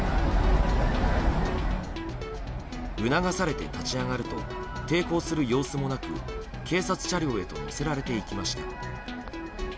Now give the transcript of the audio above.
促されて立ち上がると抵抗する様子もなく警察車両へと乗せられていきました。